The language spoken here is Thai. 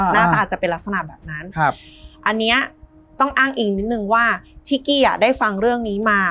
หน้าตาอาจจะเป็นลักษณะแบบนั้นอันนี้ต้องอ้างอิงนิดนึงว่าที่กี้อ่ะได้ฟังเรื่องนี้มา